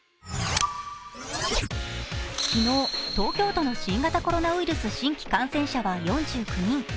昨日、東京都の新型コロナウイルス新規感染者は４９人。